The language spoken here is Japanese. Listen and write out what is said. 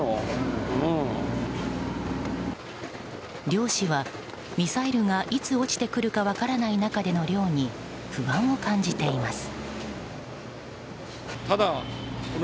漁師はミサイルがいつ落ちてくるか分からない中での漁に不安を感じています。